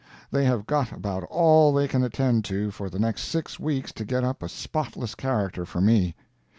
They have got about all they can attend to for the next six weeks to get up a spotless character for me.